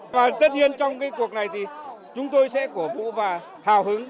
và tất nhiên trong cái cuộc này thì chúng tôi sẽ cổ vũ và hào hứng